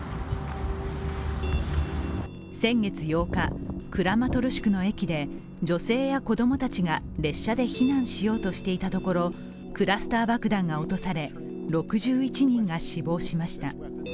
先月８日、クラマトルシクの駅で女性や子供たちが列車で避難しようとしていたところクラスター爆弾が落とされ６１人が死亡しました。